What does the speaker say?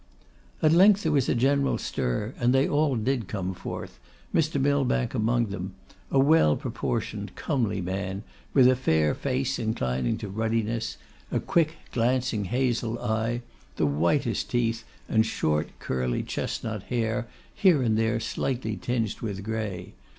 At length there was a general stir, and they all did come forth, Mr. Millbank among them, a well proportioned, comely man, with a fair face inclining to ruddiness, a quick, glancing, hazel eye, the whitest teeth, and short, curly, chestnut hair, here and there slightly tinged with grey.